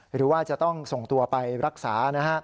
หรือว่าจะต้องส่งตัวไปรักษานะฮะ